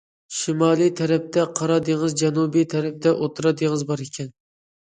شىمالىي تەرىپىدە قارا دېڭىز، جەنۇب تەرىپىدە ئوتتۇرا دېڭىز بار ئىكەن.